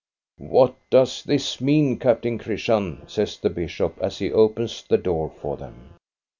"What does this mean, Captain Christian?'* says the bishop, as he opens the door for them.